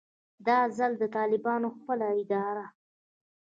دا ځل د طالبانو خپله اداره